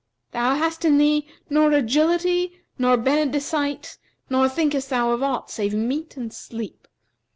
Thou hast in thee nor agility nor benedicite nor thinkest thou of aught save meat and sleep.